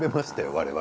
我々。